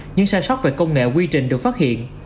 những sai sót về công nghệ quy trình được phát hiện